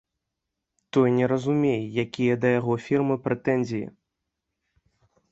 Той не разумее, якія да яго фірмы прэтэнзіі.